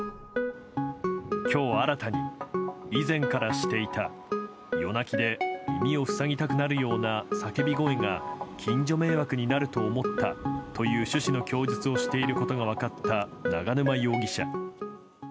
今日新たに、以前からしていた夜泣きで耳を塞ぎたくなるような叫び声が近所迷惑になると思ったという趣旨の供述をしていることが分かった永沼容疑者。